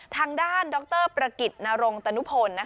ทางด้านดรประกิจนรงตนุพล